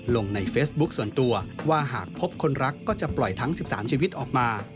ลงในเฟซบุ๊คส่วนตัวว่าหากพบคนรักก็จะปล่อยทั้ง๑๓ชีวิตออกมา